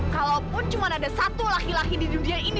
kalaupun cuma ada satu laki laki di dunia ini